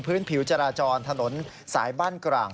พื้นผิวจราจรถนนสายบ้านกร่าง